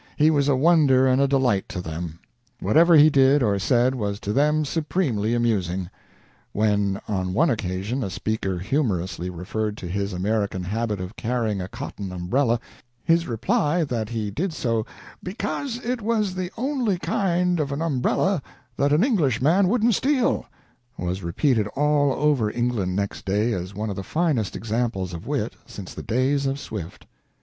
He was a wonder and a delight to them. Whatever he did or said was to them supremely amusing. When, on one occasion, a speaker humorously referred to his American habit of carrying a cotton umbrella, his reply that he did so "because it was the only kind of an umbrella that an Englishman wouldn't steal," was repeated all over England next day as one of the finest examples of wit since the days of Swift.